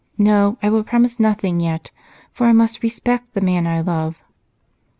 No, I will promise nothing yet, for I must respect the man I love."